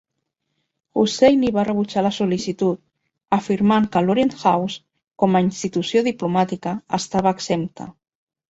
Husseini va rebutjar la sol·licitud, afirmant que l'Orient House, com a institució diplomàtica, estava exempta.